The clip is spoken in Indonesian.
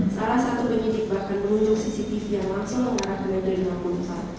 salah satu pendidik bahkan menunjuk cctv yang langsung mengarahkan yang dari lima puluh empat